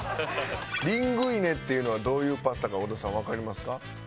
リングイネっていうのはどういうパスタか小田さんわかりますか？